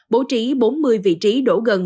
bố trí bốn mươi vị trí đổ gần